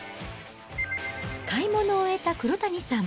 買い物を終えた黒谷さん。